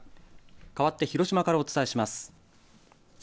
かわって広島からお伝えします。